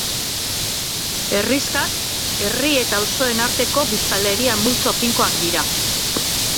Herrixkak herri eta auzoen arteko biztanleria-multzo finkoak dira.